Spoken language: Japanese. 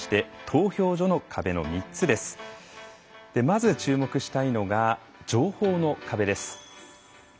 まず注目したいのが情報の壁です。